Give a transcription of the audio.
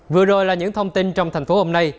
vừa rồi là những thông tin trong thành phố hôm nay